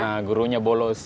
karena gurunya bolos